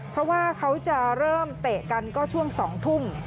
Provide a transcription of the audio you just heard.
เพราะว่าเขาจะเริ่มเตะกันก็ช่วง๒ทุ่ม